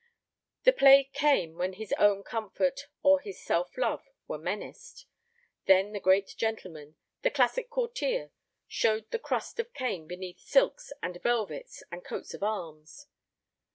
The plague came when his own comfort or his self love were menaced. Then the great gentleman, the classic courtier, showed the crust of Cain beneath silks and velvets and coats of arms.